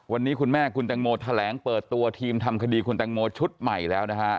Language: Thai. วันนี้คุณแม่คุณแตงโมแถลงเปิดตัวทีมทำคดีคุณแตงโมชุดใหม่แล้วนะฮะ